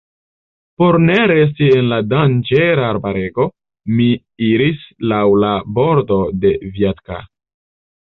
Por ne resti en la danĝera arbarego, mi iris laŭ la bordo de Vjatka.